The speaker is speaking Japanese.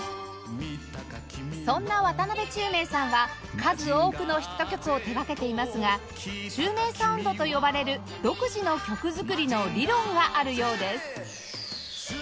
そんな渡辺宙明さんは数多くのヒット曲を手掛けていますが宙明サウンドと呼ばれる独自の曲作りの理論があるようです